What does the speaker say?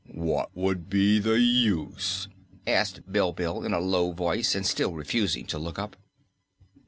"What would be the use?" asked Bilbil in a low voice and still refusing to look up.